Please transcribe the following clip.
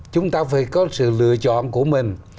chúng ta phải có sự lựa chọn của mình